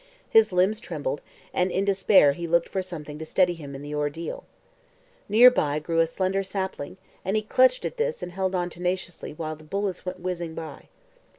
His limbs trembled, and in despair he looked for something to steady him in the ordeal. Near by grew a slender sapling, and he clutched at this and held on tenaciously while the bullets went whizzing by.